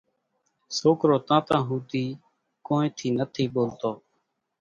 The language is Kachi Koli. سوڪرو تانتان ھوڌي ڪونئين ٿي نٿي ٻولتو